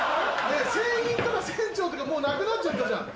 船員とか船長とかもうなくなっちゃったじゃん。